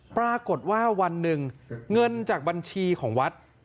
ปรากฏว่าวันหนึ่งเงินจากบัญชีของวัด